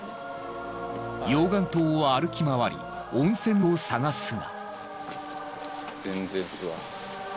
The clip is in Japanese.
溶岩島を歩き回り温泉を探すが。